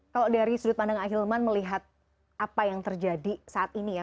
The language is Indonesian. kalau dari sudut pandang ahilman melihat apa yang terjadi saat ini ya